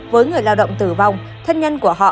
với người lao động tử vong thân nhân của họ